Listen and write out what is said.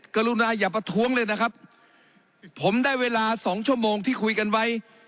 กรุณาอย่าประท้วงเลยนะครับผมได้เวลาสองชั่วโมงที่คุยกันไว้